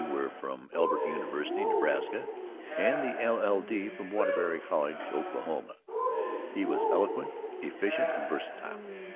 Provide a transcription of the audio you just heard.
were from Elbert University, Nebraska, the LL.D. from Waterbury College, Oklahoma.) He was eloquent, efficient, and versatile.